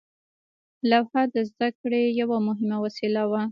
لوحه د زده کړې یوه مهمه وسیله وه.